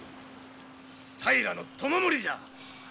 平知盛じゃ。